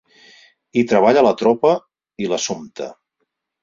Hi treballa la tropa i l'Assumpta.